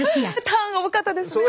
ターンが多かったですね。